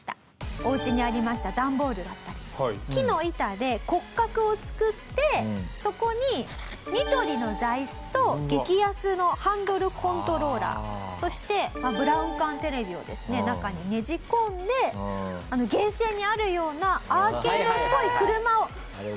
お家にありました段ボールだったり木の板で骨格を作ってそこにニトリの座椅子と激安のハンドルコントローラーそしてブラウン管テレビを中にねじ込んでゲーセンにあるようなアーケードっぽい車を自作したと。